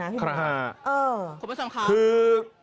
คุณผู้ชมค่ะคือ